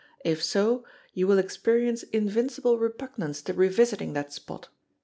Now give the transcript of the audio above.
If so, you will experience invincible repugnance to revisiting that spot.